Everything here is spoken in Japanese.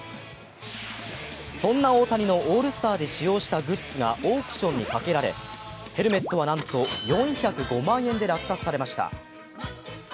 そんな大谷のオールスターで使用したグッズがオークションにかけられヘルメットは、なんと４０５万円で落札されました。